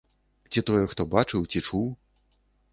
Ці тое хто бачыў ці чуў?